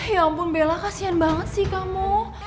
ya ampun bella kasihan banget sih kamu